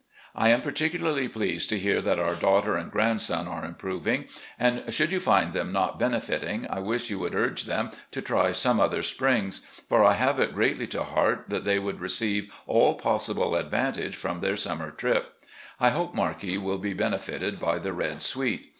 I am particularly pleased to hear that our daughter and grandson are improving, and should you find them not benefiting I wish you would urge them to try some other spiings, for I have it greatly to heart that they should receive all possible advantage from their summer trip. I hope Markie will be benefited by the Red Sweet.